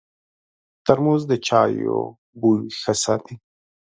ترموز د چایو بوی ښه ساتي.